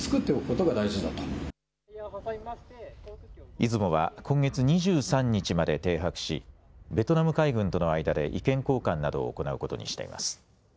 いずもは今月２３日まで停泊しベトナム海軍との間で意見交換などを行うことにしています。